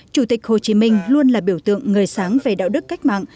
chủ tịch hồ chí minh luôn là biểu tượng người sáng về đạo đức cách mạng